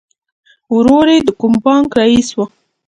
ورور یې د کوم بانک رئیس و